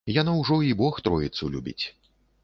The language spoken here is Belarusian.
Яно ўжо і бог тройцу любіць.